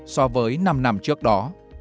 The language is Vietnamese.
so với năm năm trước đó